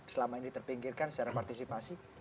selama ini terpinggirkan secara partisipasi